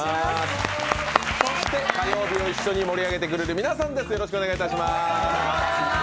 そして火曜日を一緒に盛り上げてくれる皆さんです。